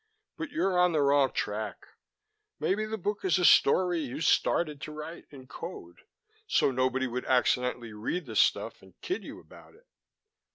But you're on the wrong track. Maybe the book is a story you started to write in code, so nobody would accidentally read the stuff and kid you about it."